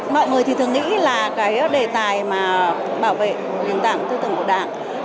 mọi người thì thường nghĩ là cái đề tài mà bảo vệ nền tảng tư tưởng của đảng